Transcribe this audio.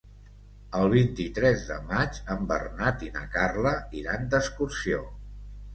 El vint-i-tres de maig en Bernat i na Carla iran d'excursió.